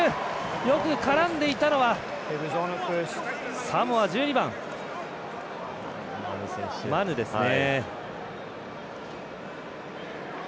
よく絡んでいたのはサモア、１２番マヌですね。